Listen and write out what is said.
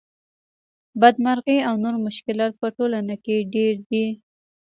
بدمرغۍ او نور مشکلات په ټولنه کې ډېر دي